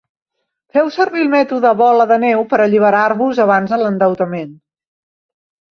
Feu servir el mètode bola de neu per alliberar-vos abans de l'endeutament.